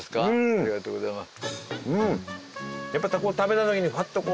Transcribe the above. ありがとうございます。